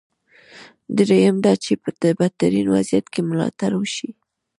درېیم دا چې په بدترین وضعیت کې ملاتړ وشي.